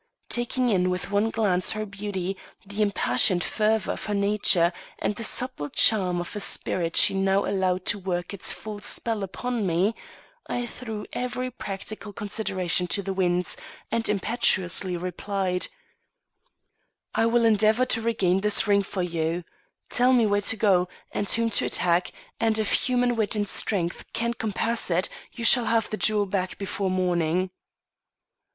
Taking in with one glance her beauty, the impassioned fervor of her nature, and the subtle charm of a spirit she now allowed to work its full spell upon me, I threw every practical consideration to the winds, and impetuously replied: "I will endeavor to regain this ring for you. Tell me where to go, and whom to attack, and if human wit and strength can compass it, you shall have the jewel back before morning.